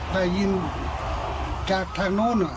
ได้ยินจากทางนู้น